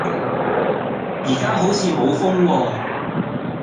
而家好似冇風喎